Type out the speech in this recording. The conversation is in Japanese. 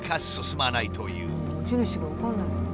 持ち主が分からないのか。